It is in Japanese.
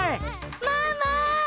ママ！